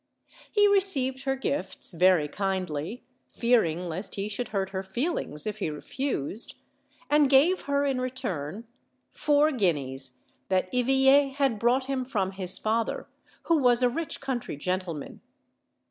He received her gifts very kindly, fearing lest he should hurt her feelings if he re fused, and gave her in return four guineas that Eveille had brought him from his father, who was a rich coun 98 OLD, OLD FAIRY TALES. try gentleman.